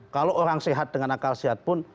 kalau orang sehat dengan akal sehat pun